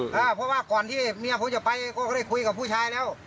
เพราะว่าก่อนที่เมียผมจะไปก็ได้คุยกับผู้ชายแล้ว